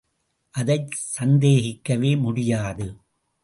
அதைச் சந்தேகிக்கவே முடியாது.